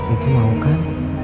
itu mau kan